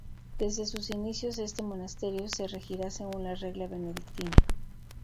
Desde sus inicios este monasterio se regirá según la regla benedictina.